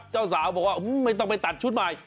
เจ้าสาวบอกว่าไม่ต้องไปตัดชุดใหม่